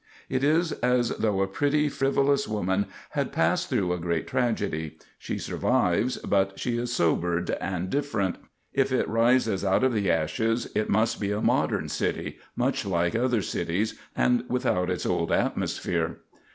It is as though a pretty, frivolous woman had passed through a great tragedy. She survives, but she is sobered and different. If it rises out of the ashes it must be a modern city, much like other cities and without its old atmosphere.